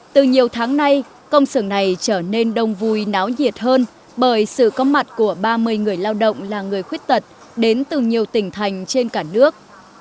từ nhiều tháng nay công sưởng này trở nên đông vui náo nhiệt hơn bởi sự có mặt của ba mươi người lao động là người khuyết tật đến từ nhiều tỉnh thành trên cả nước